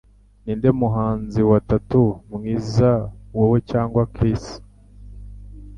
Ninde muhanzi wa tattoo mwiza wowe cyangwa Chris?